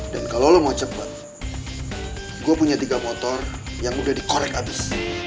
dan kalau lo mau cepet gue punya tiga motor yang udah dikorek abis